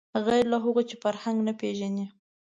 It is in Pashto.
غیر له هغو چې فرهنګ نه پېژني